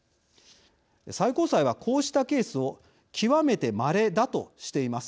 最高裁はこうしたケースを極めてまれだとしています。